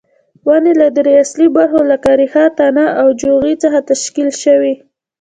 ونې له درې اصلي برخو لکه ریښه، تنه او جوغې څخه تشکیل شوې.